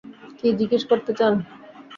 কী জিজ্ঞেস করতে চান?